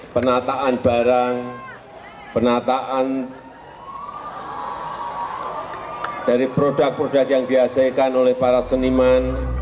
penataan barang penataan dari produk produk yang dihasilkan oleh para seniman